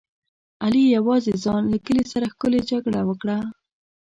علي یوازې ځان له کلي سره ښکلې جګړه وکړه.